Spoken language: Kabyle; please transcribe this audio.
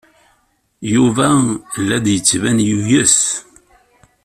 Yuba la d-yettban yuyes.